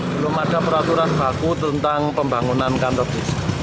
belum ada peraturan baku tentang pembangunan kantor desa